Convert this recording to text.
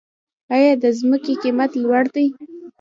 آیا د ځمکې قیمت لوړ دی؟